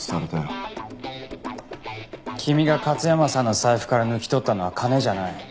君が勝山さんの財布から抜き取ったのは金じゃない。